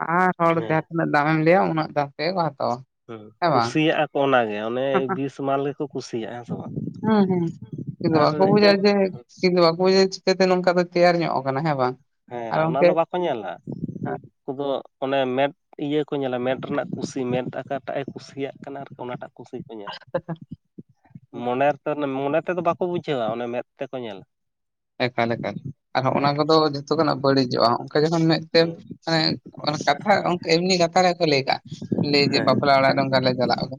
ᱟᱨ ᱦᱚᱲ ᱦᱮᱸ ᱡᱟᱦᱟᱸ ᱛᱤᱱᱟᱹᱜ ᱫᱟᱢᱮᱢ ᱞᱟᱹᱭᱟ ᱩᱱᱟᱹᱜ ᱫᱟᱢ ᱛᱮᱜᱮ ᱠᱚ ᱦᱟᱛᱟᱣᱟ᱾ ᱦᱩᱸ ᱦᱮᱸ ᱵᱟᱝ ᱠᱩᱥᱤᱭᱟᱜᱼᱟ ᱠᱚ ᱚᱱᱟᱜᱮ ᱚᱱᱮ ᱵᱤᱥ ᱢᱟᱞ ᱜᱮᱠᱚ ᱠᱩᱥᱤᱭᱟᱜᱼᱟ ᱦᱮᱸ ᱥᱮ ᱵᱟᱝ ᱦᱩᱸ ᱦᱩᱸ ᱠᱤᱱᱛᱩ ᱵᱟᱠᱚ ᱵᱩᱡᱟ ᱡᱮ ᱠᱤᱱᱛᱩ ᱵᱟᱠᱚ ᱵᱩᱡᱟ ᱪᱤᱠᱟᱹᱛᱮ ᱱᱚᱝᱠᱟ ᱫᱚ ᱛᱮᱭᱟᱨ ᱧᱚᱜ ᱟᱠᱟᱱᱟ ᱦᱮᱸ ᱵᱟᱝ ᱦᱮᱸ ᱟᱨ ᱚᱱᱟ ᱚᱱᱛᱮ ᱫᱚ ᱵᱟᱠᱚ ᱧᱮᱞᱟ ᱱᱩᱠᱩ ᱫᱚ ᱚᱱᱮ ᱢᱮᱫ ᱤᱭᱟᱹ ᱠᱚ ᱧᱮᱞᱟ ᱢᱮᱸᱫ ᱨᱮᱱᱟᱜ ᱠᱩᱥᱤ ᱢᱮᱸᱫ ᱚᱠᱟᱴᱟᱜ ᱮ ᱠᱩᱥᱤᱭᱟᱜ ᱠᱟᱱᱟ ᱟᱨᱠᱤ ᱚᱱᱟᱴᱟᱜ ᱠᱩᱥᱤ᱾ ᱢᱚᱱᱮ ᱨᱮᱛ ᱢᱚᱱᱮ ᱛᱮᱫᱚ ᱵᱟᱠᱚ ᱵᱩᱡᱷᱟᱹᱣᱟ ᱚᱱᱮ ᱢᱮᱸᱫ ᱛᱮᱠᱚ ᱧᱮᱞᱟ᱾ ᱮᱠᱟᱞ ᱞᱮᱠᱟ ᱟᱨᱦᱚᱸ ᱚᱱᱟ ᱦᱮᱸ ᱠᱚᱫᱚ ᱡᱚᱛᱚ ᱠᱷᱱᱟᱜ ᱵᱟᱹᱲᱤᱡᱚᱜᱼᱟ᱾ ᱡᱚᱠᱷᱚᱱ ᱢᱮᱫᱛᱮ ᱦᱮᱸ ᱢᱟᱱᱮ ᱠᱟᱛᱷᱟ ᱜᱟᱢᱠᱮ ᱮᱢᱱᱤ ᱠᱟᱛᱷᱟ ᱨᱮᱠᱚ ᱞᱟᱹᱭ ᱠᱟᱜ ᱞᱟᱹᱭ ᱡᱮ ᱵᱟᱯᱞᱟ ᱚᱲᱟᱜ ᱨᱮ ᱱᱚᱝᱠᱟ ᱞᱮ ᱪᱟᱞᱟᱣᱟ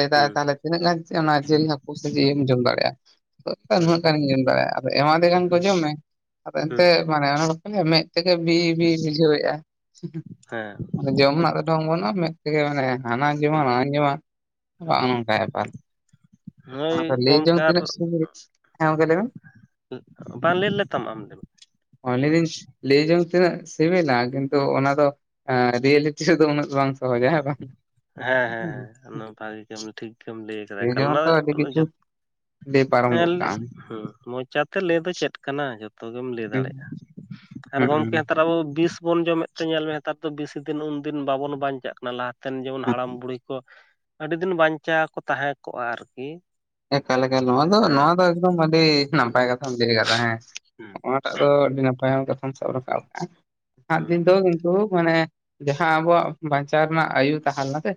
ᱞᱟᱹᱫᱟᱭ ᱦᱩᱸ ᱛᱟᱦᱚᱞᱮ ᱛᱤᱱᱟᱹᱜ ᱜᱟᱱ ᱚᱱᱟ ᱡᱤᱞ ᱦᱟᱹᱠᱩ ᱥᱮ ᱡᱮ ᱮᱢ ᱡᱚᱢ ᱫᱟᱲᱮᱭᱟᱜᱼᱟ ᱦᱩᱸ ᱩᱱᱟᱹᱜ ᱜᱟᱱᱤᱧ ᱡᱚᱢ ᱫᱟᱲᱮᱭᱟᱜᱼᱟ᱾ ᱮᱢᱟ ᱫᱮ ᱠᱟᱱᱠᱚ ᱦᱩᱸ ᱡᱚᱢ ᱢᱮ ᱟᱫᱚ ᱦᱩᱸ ᱮᱱᱛᱮ ᱢᱟᱱᱮ ᱟᱱᱟᱞᱚᱥ ᱠᱚ ᱡᱚᱢ ᱢᱮ᱾ ᱢᱮᱫ ᱛᱮᱜᱮ ᱵᱤ ᱵᱤ ᱵᱩᱡᱷᱟᱹᱣᱮᱫᱼᱟ ᱦᱮᱸ ᱡᱚᱢ ᱨᱮᱱᱟᱜ ᱫᱚ ᱰᱷᱚᱝ ᱵᱟᱹᱱᱩᱜᱼᱟ ᱢᱮᱫ ᱛᱮᱜᱮ ᱢᱟᱱᱮ ᱦᱟᱱᱟ ᱡᱚᱢᱟ ᱦᱩᱸ ᱱᱟᱦᱟᱧ ᱡᱚᱢᱟ ᱦᱩᱸ ᱚᱦᱚᱸᱱᱚᱝᱠᱟ ᱵᱮᱯᱟᱨ᱾ ᱦᱳᱭ ᱞᱟᱹᱭ ᱜᱚᱢᱠᱮ ᱡᱚᱝ ᱟᱨ ᱛᱤᱱᱟᱹᱜ ᱥᱩᱨᱠᱴ ᱦᱮᱸ ᱜᱚᱝᱠᱮ ᱞᱟᱹᱭᱢᱮ? ᱵᱟᱝ ᱞᱟᱹᱭ ᱞᱮᱛᱟᱢ ᱟᱢ ᱞᱟᱹᱭᱫᱤᱧ ᱞᱟᱹᱭ ᱡᱚᱝ ᱛᱤᱱᱟᱹᱜ ᱥᱤᱵᱤᱞᱟ ᱠᱤᱱᱛᱩ ᱚᱱᱟ ᱫᱚ ᱨᱤᱭᱮᱞᱤ ᱱᱤᱛᱟᱹ ᱫᱚ ᱩᱱᱟᱹᱜ ᱫᱚ ᱵᱟᱝ ᱥᱚᱦᱚᱡᱟ ᱦᱮᱸ ᱵᱟᱝ ᱦᱮᱸ ᱦᱮᱸ ᱦᱮᱸ [unintelligible] ᱵᱷᱟᱜᱤ ᱜᱮ ᱴᱷᱤᱠ ᱜᱮᱢ ᱞᱟᱹᱭ ᱟᱠᱟᱫᱟ ᱮᱠᱟᱞ ᱚᱱᱟ᱾ [unintelligible] ᱠᱤᱪᱷᱩ ᱞᱮᱭ ᱯᱟᱨᱚᱢ ᱜᱚᱜ ᱠᱟ ᱟᱢ᱾ ᱦᱩᱸ ᱢᱚᱪᱟᱛᱮ ᱞᱟᱹᱭ ᱫᱚ ᱪᱮᱫ ᱠᱟᱱᱟ ᱡᱚᱛᱚ᱾ ᱡᱚᱛᱚ ᱜᱮᱢ ᱞᱟᱹᱭ ᱫᱟᱲᱮᱜᱼᱟ ᱟᱨ ᱦᱩᱸ ᱜᱚᱢᱠᱮ ᱦᱩᱸ ᱦᱮᱸᱮᱛᱟᱨ ᱟᱵᱚ ᱫᱚ ᱵᱤᱥ ᱵᱚᱱ ᱡᱚᱢᱮᱫ᱾ ᱛᱮ ᱧᱮᱞ ᱢᱮ ᱦᱮᱸᱮᱛᱟᱨ ᱫᱚ ᱵᱤᱥᱤ ᱫᱤᱱ ᱦᱚ ᱩᱱᱫᱤᱱ ᱵᱟᱵᱚᱱ ᱵᱟᱧᱪᱟᱜ ᱠᱟᱱᱟ ᱞᱟᱦᱟᱛᱮᱱ ᱡᱮᱢᱚᱱ ᱦᱟᱲᱟᱢ ᱵᱩᱲᱦᱤ᱾ ᱟᱹᱰᱤ ᱫᱤᱱ ᱵᱟᱧᱪᱟᱣ ᱠᱚ ᱛᱟᱦᱮᱸ ᱠᱚᱜᱼᱟ ᱟᱨᱠᱤ᱾ ᱮᱠᱟᱞ ᱮᱠᱟᱞ ᱱᱚᱣᱟ ᱫᱚ ᱦᱮᱸ ᱱᱚᱣᱟ ᱫᱚ ᱮᱠᱫᱚᱢ ᱟᱹᱰᱤ ᱦᱩᱸ ᱱᱟᱯᱟᱭ ᱠᱟᱛᱷᱟᱢ ᱞᱟᱹᱭ ᱟᱠᱟᱫᱟ ᱦᱮᱸ᱾ ᱦᱩᱸ ᱴᱟᱜ ᱫᱚ ᱟᱹᱰᱤ ᱱᱟᱯᱟᱭ ᱠᱟᱛᱷᱟᱢ ᱥᱟᱵ ᱨᱟᱠᱟᱵ ᱠᱟᱜᱼᱟ ᱱᱟᱦᱟᱜ ᱦᱩᱸ ᱫᱤᱱ ᱫᱚ᱾ ᱛᱳ ᱢᱟᱱᱮ ᱡᱟᱦᱟᱸ ᱟᱵᱚᱣᱟᱜ ᱵᱟᱧᱪᱟᱣ ᱨᱮᱱᱟᱜ ᱟᱭᱩ ᱛᱟᱦᱮᱸ ᱞᱮᱱᱟ ᱥᱮ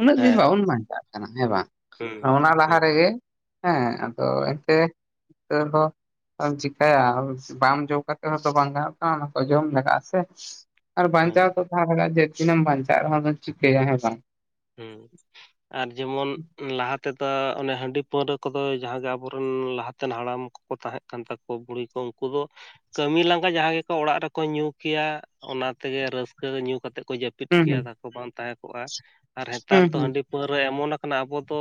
ᱩᱱᱟᱹᱜ ᱫᱤᱱ ᱦᱮᱸ ᱵᱟᱵᱚᱱ ᱵᱟᱧᱪᱟᱜᱼᱟ᱾ ᱦᱮᱸ ᱵᱟᱝ ᱦᱩᱸ ᱚᱱᱟ ᱞᱟᱦᱟ ᱦᱩᱸ ᱨᱮᱜᱮ ᱦᱮᱸ ᱟᱫᱚ ᱦᱩᱸ ᱮᱱᱛᱮ᱾ ᱚ ᱦᱚᱸ [unintelligible] ᱟᱫᱚᱢ ᱪᱮᱤᱠᱟᱹᱭᱟ ᱵᱟᱢ ᱡᱚ ᱠᱟᱛᱮ ᱦᱚᱸᱛᱚ ᱵᱟᱝ ᱜᱟᱱᱚᱜ ᱠᱟᱱᱟ ᱚᱱᱟ ᱠᱚ ᱡᱚᱢ ᱞᱟᱜᱟᱜᱼᱟ ᱥᱮ᱾ ᱟᱨ ᱦᱮᱸ ᱵᱟᱧᱪᱟᱣ ᱛᱚ ᱛᱟᱣ ᱦᱚᱲᱟᱜ ᱡᱮ ᱛᱤᱱᱟᱹᱢ ᱵᱟᱧᱪᱟᱜᱟ ᱦᱚᱲᱫᱚᱢ ᱪᱤᱠᱟᱹᱭᱟ ᱦᱮᱸ ᱵᱟᱝ ᱦᱮᱸ ᱟᱨ ᱡᱮᱢᱚᱱ ᱞᱟᱦᱟ ᱛᱮᱫᱚ ᱚᱱᱮ ᱦᱟᱺᱰᱤ ᱯᱟᱹᱣᱨᱟᱹ ᱠᱚᱫᱚ ᱡᱟᱦᱟᱸᱜᱮ ᱟᱵᱚᱨᱮᱱ ᱞᱟᱦᱟᱛᱮᱱ ᱦᱟᱲᱟᱢ᱾ ᱠᱚ ᱛᱟᱦᱮᱸᱜ ᱠᱟᱱ ᱛᱟᱠᱚ ᱵᱩᱲᱦᱤ ᱠᱚ ᱩᱱᱠᱩ ᱫᱚ᱾ ᱠᱟᱹᱢᱤ ᱞᱟᱸᱜᱟ ᱡᱟᱦᱟᱸ ᱜᱮᱠᱚ ᱚᱲᱟᱜ ᱨᱮᱠᱚ ᱧᱩ ᱠᱮᱭᱟ, ᱚᱱᱟᱛᱮᱜᱮ ᱨᱟᱹᱥᱠᱟᱹ ᱧᱩ ᱠᱟᱛᱮᱜ ᱠᱚ ᱡᱟᱹᱯᱤᱫ᱾ ᱯᱤᱫ ᱦᱩᱸ ᱠᱮᱭᱟ ᱦᱩᱸ ᱫᱟᱠᱚ ᱵᱟᱝ ᱛᱟᱦᱮᱸ ᱠᱚᱜᱼᱟ ᱟᱨ ᱦᱮᱸᱮᱛᱟᱨ ᱦᱩᱸ ᱫᱚ ᱦᱩᱸ ᱦᱟᱺᱰᱤ ᱯᱟᱹᱣᱨᱟᱹ ᱮᱢᱚᱱ ᱠᱟᱱᱟ ᱟᱵᱚ ᱫᱚ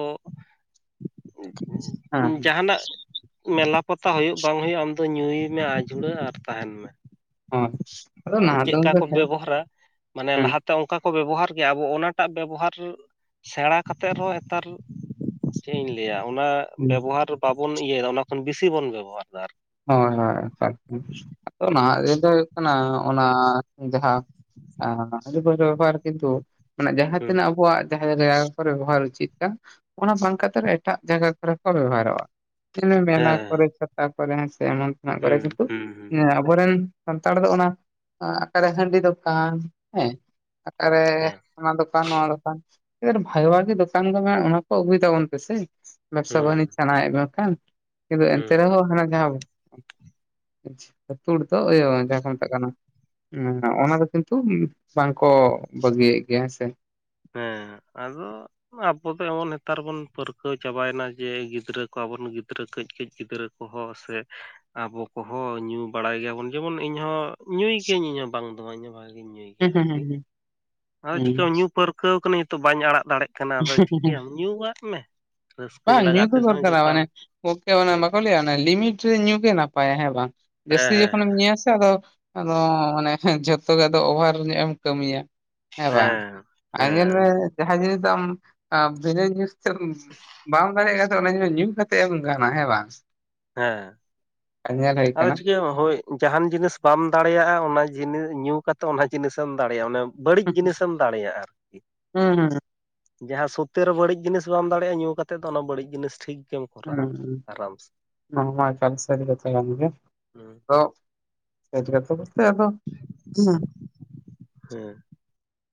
ᱦᱮᱸ ᱡᱟᱦᱟᱱᱟᱜ ᱢᱮᱞᱟ ᱯᱟᱛᱟ ᱦᱳᱭᱳᱜ ᱵᱟᱝ ᱦᱳᱭᱳᱜ ᱟᱢ ᱫᱚ ᱧᱩᱭ ᱢᱮ ᱟᱸᱡᱷᱩᱲᱟᱹ ᱟᱨ ᱛᱟᱦᱮᱸᱱ ᱢᱮ᱾ ᱦᱳᱭ ᱟᱫᱚ ᱱᱟᱦᱟᱜ ᱫᱚ ᱪᱮᱫᱠᱟ ᱜᱚᱝᱠᱮ ᱠᱚ ᱥᱟᱹᱨᱤ ᱵᱮᱵᱚᱦᱟᱨᱟ ᱢᱟᱱᱮ ᱦᱮᱸ ᱞᱟᱦᱟ ᱛᱮ ᱚᱱᱠᱟ ᱠᱚ ᱵᱮᱵᱚᱦᱟᱨ ᱜᱮᱭᱟ ᱟᱵᱚ ᱚᱱᱟᱴᱟᱜ ᱵᱮᱵᱚᱦᱟᱨ ᱥᱮᱬᱟ ᱠᱟᱛᱮᱜ ᱨᱮᱦᱚᱸ ᱦᱮᱸᱛᱟᱨ ᱪᱮᱫ ᱤᱧ ᱞᱟᱹᱭᱟ ᱚᱱᱟ ᱦᱩᱸ ᱵᱮᱵᱚᱦᱟᱨ᱾ ᱵᱟᱵᱚᱱ ᱤᱭᱟᱹᱭᱫᱟ ᱚᱱᱟ ᱠᱷᱚᱱ ᱵᱮᱥᱤ ᱵᱚᱱ ᱵᱮᱵᱚᱦᱟᱨ ᱫᱟ, ᱟᱨ ᱦᱳᱭ ᱦᱳᱭ ᱟᱫᱚ ᱦᱩᱸ ᱱᱟᱦᱟᱜ ᱫᱤᱱ ᱫᱚ ᱠᱟᱱᱟ ᱚᱱᱟ ᱡᱟᱦᱟᱸ ᱦᱟᱺᱰᱤ ᱯᱟᱹᱣᱨᱟᱹ ᱵᱮᱵᱚᱦᱟᱨ ᱠᱤᱱᱛᱩ ᱢᱟᱱᱮ ᱡᱟᱦᱟᱸ ᱦᱩᱸ ᱛᱤᱱᱟᱹᱜ ᱟᱵᱚᱣᱟᱜ ᱡᱟᱦᱟᱸ ᱡᱟᱭᱜᱟ ᱠᱚᱨᱮ ᱵᱮᱵᱚᱦᱟᱨ ᱩᱪᱤᱛ ᱠᱟᱱ, ᱚᱱᱟ ᱵᱟᱝ ᱠᱟᱛᱮ ᱨᱮᱦᱚ ᱮᱴᱟᱜ ᱡᱟᱭᱜᱟ ᱠᱚᱨᱮ ᱠᱚ ᱵᱮᱵᱚᱦᱟᱨᱚᱜᱼᱟ᱾ ᱢᱮᱞᱟ ᱠᱚᱨᱮ ᱦᱮᱸ ᱪᱷᱟᱛᱟ ᱠᱚᱨᱮ ᱦᱮᱸ ᱥᱮ ᱮᱢᱚᱱ ᱛᱮᱢᱟᱱᱜ ᱠᱚᱨᱮ ᱦᱩᱸ ᱠᱤᱱᱛᱩ ᱦᱩᱸ ᱦᱩᱸ ᱟᱵᱚᱨᱮᱱ ᱥᱟᱱᱛᱟᱲ ᱫᱚ ᱚᱱᱟ ᱟᱠᱟᱨᱮ ᱦᱟᱺᱰᱤ ᱫᱚᱠᱟᱱ ᱦᱮᱸ ᱟᱠᱟᱨᱮ ᱦᱮᱸ ᱚᱱᱟ ᱫᱚᱠᱟᱱ ᱱᱚᱣᱟ ᱫᱚᱠᱟᱱ ᱵᱷᱟᱜᱤ ᱵᱷᱟᱜᱤ ᱫᱚᱠᱟᱱ ᱠᱚ ᱢᱮᱱᱟᱜ ᱚᱱᱟ ᱠᱚ ᱟᱹᱜᱩᱭ ᱛᱟᱵᱚᱱ ᱯᱮᱥᱮ᱾ ᱵᱮᱵᱽᱥᱟ ᱦᱩᱸ ᱵᱟᱹᱱᱤᱡᱽ ᱥᱟᱱᱟᱭᱮᱫ ᱢᱮ ᱠᱦᱟᱱ ᱠᱤᱱᱛᱩ ᱮᱱᱛᱮ ᱦᱩᱸ ᱨᱮᱦᱚᱸ ᱦᱟᱱᱟ᱾ ᱡᱟ ᱦᱳᱠ ᱛᱳᱲ ᱫᱚ ᱤᱭᱟᱹ ᱡᱟᱦᱟᱸ ᱠᱚ ᱢᱮᱛᱟᱜ ᱠᱟᱱᱟ᱾ ᱦᱮᱸ ᱚᱱᱟ ᱫᱚ ᱠᱤᱱᱛᱩ ᱵᱟᱝᱠᱚ ᱵᱟᱹᱜᱤᱭᱮᱜ ᱜᱮᱭᱟ ᱦᱮᱸᱥᱮ᱾ ᱦᱮᱸ ᱟᱫᱚ᱾ ᱟᱵᱚ ᱫᱚ ᱮᱢᱚᱱ ᱦᱮᱛᱟᱨ ᱵᱚᱱ ᱯᱟᱹᱨᱠᱟᱹᱣ ᱪᱟᱵᱟᱭᱱᱟ, ᱡᱮ ᱜᱤᱫᱽᱨᱟᱹ ᱠᱚ ᱟᱵᱚᱱ ᱜᱤᱫᱽᱨᱟᱹ ᱠᱟᱹᱡ ᱠᱟᱹᱡ ᱜᱤᱫᱽᱨᱟᱹ ᱠᱚ᱾ ᱠᱚᱦᱚ ᱥᱮ ᱟᱵᱚ ᱠᱚᱦᱚᱸ ᱧᱩ ᱵᱟᱲᱟᱭ ᱜᱮᱭᱟᱭᱵᱚᱱ, ᱡᱮᱢᱚᱱ ᱤᱧᱦᱚᱸ ᱧᱩᱭ ᱜᱤᱭᱟᱹᱧ ᱤᱧᱦᱚ ᱵᱟᱝ ᱫᱚ ᱤᱧ ᱦᱚ ᱵᱷᱟᱹᱜᱮ᱾ ᱧᱩᱭ ᱦᱩᱸ ᱜᱮᱭᱟ ᱦᱩᱸ ᱟᱨᱠᱤ ᱦᱩᱸ ᱟᱫᱚ ᱦᱩᱸ ᱪᱤᱠᱟᱹ ᱧᱩ ᱯᱟᱹᱨᱠᱟᱹᱣ ᱠᱟᱹᱱᱟᱹᱧ ᱱᱤᱛᱚᱜ ᱵᱟᱹᱧ ᱟᱲᱟᱜ ᱫᱟᱲᱮᱜ᱾ ᱠᱟᱱᱟ ᱟᱫᱚ ᱦᱩᱸ ᱦᱩᱸ᱾ ᱪᱤᱠᱟᱹᱭᱟᱢ ᱧᱩᱭᱟᱜ ᱢᱮ᱾ ᱨᱟᱹᱥᱠᱟᱹ ᱵᱟᱝ ᱡᱟᱞᱟ ᱧᱩ ᱫᱚ ᱜᱟᱛᱮ ᱥᱟᱶ ᱫᱚᱨᱠᱟᱨᱟ ᱡᱚᱴᱟᱣ ᱢᱟᱱᱮ ᱜᱚᱢᱠᱮ ᱚᱱᱟ ᱦᱮᱸ ᱵᱟᱠᱚ ᱞᱮᱭᱟ ᱚᱱᱮ ᱞᱤᱢᱤᱴ᱾ ᱧᱩ ᱜᱮ ᱱᱟᱯᱟᱭᱟ ᱦᱮᱸ ᱵᱟᱝ, ᱡᱟᱹᱥᱛᱤ ᱦᱮᱸ ᱡᱚᱠᱦᱚᱱᱮᱢᱟ ᱧᱩᱭᱟ ᱥᱮ᱾ ᱟᱫᱚ ᱟᱫᱚ ᱚᱱᱮ ᱡᱷᱚᱛᱚ ᱜᱮ ᱟᱫᱚ ᱚᱵᱷᱟᱨ ᱧᱚᱜ ᱮᱢ ᱠᱟᱹᱢᱤᱭᱟ᱾ ᱦᱮᱸ ᱵᱟᱝ ᱟᱨ ᱧᱮᱞ ᱢᱮ᱾ ᱛᱟᱢ ᱵᱷ ᱡ ᱛᱮ ᱵᱟᱝ ᱫᱲ [unintelligible] ᱚᱱᱟ ᱡᱤᱱᱤᱥ ᱧᱩ ᱠᱟᱛᱮ ᱮᱢ ᱜᱟᱱᱟ ᱦᱮᱸ ᱵᱟᱝ᱾ ᱦᱮᱸ ᱟᱨ ᱧᱮᱞ ᱦᱩᱭ ᱟᱫᱚ ᱠᱟᱱᱟ ᱪᱤᱠᱟᱹᱭᱟᱢ ᱦᱳᱭ᱾ ᱡᱟᱦᱟᱱ ᱡᱤᱱᱤᱥ ᱵᱟᱢ ᱫᱟᱲᱮᱭᱟᱜᱼᱟ, ᱚᱱᱟ ᱡᱤᱱᱤᱥ ᱧᱩ ᱠᱟᱛᱮᱜ ᱚᱱᱟ ᱡᱤᱱᱤᱥᱮᱢ ᱫᱟᱲᱮᱭᱟᱜᱼᱟ ᱚᱱᱮ᱾ ᱵᱟᱹᱲᱤᱡ ᱡᱤᱱᱤᱥᱮᱢ ᱫᱟᱲᱮᱭᱟᱜᱼᱟ ᱟᱨᱠᱤ᱾ ᱦᱩᱸ ᱦᱩᱸ ᱡᱟᱦᱟᱸ ᱥᱳᱛᱮ ᱨᱮ ᱵᱟᱹᱲᱤᱡ ᱡᱤᱱᱤᱥ ᱵᱟᱢ ᱫᱟᱲᱮᱭᱟᱜᱼᱟ, ᱧᱩ ᱠᱟᱛᱮᱫ ᱫᱚ ᱚᱱᱟ ᱵᱟᱹᱲᱤᱡ ᱡᱤᱱᱤᱥ ᱴᱷᱤᱠ ᱜᱮᱢ ᱦᱩᱸ ᱠᱚᱨᱟᱣᱟ ᱦᱩᱸ, ᱟᱨᱟᱢ ᱥᱮ ᱱᱚᱣᱟ ᱢᱟ ᱮᱠᱟᱞ ᱥᱟᱹᱨᱤ ᱠᱟᱛᱷᱟ ᱠᱟᱱ ᱜᱮᱭᱟ᱾ ᱦᱩᱸ ᱦᱩᱸ᱾ ᱛᱚ [inaudible] ᱛᱮ ᱟᱫᱚ [inaudible] ᱦᱮᱸ᱾